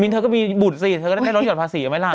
มิ้นเธอก็มีบุตรสิเธอก็ได้รถหย่อนภาษีก็ไม่หลัง